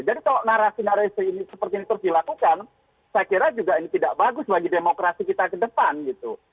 jadi kalau narasi narasi ini seperti ini terus dilakukan saya kira juga ini tidak bagus bagi demokrasi kita ke depan gitu